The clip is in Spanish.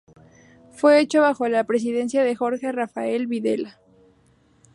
Fue hecho bajo la presidencia de Jorge Rafael Videla.